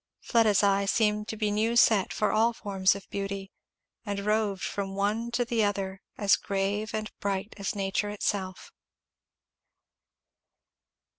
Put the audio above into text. Fleda's eye seemed to be new set for all forms of beauty, and roved from one to the other, as grave and bright as nature itself.